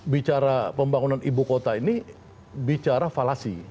bicara pembangunan ibu kota ini bicara falasi